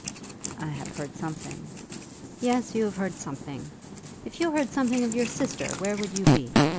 "I have heard something." "Yes, you have heard something! If you heard something of your sister where would you be?